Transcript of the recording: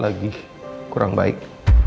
lagi kurang baik